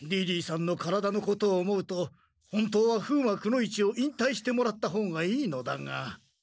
リリーさんの体のことを思うと本当は風魔くの一を引退してもらった方がいいのだが。